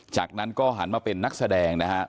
จากนั้นก็หันมาเป็นนักแสดงนะครับ